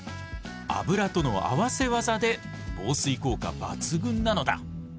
脂との合わせ技で防水効果抜群なのだ。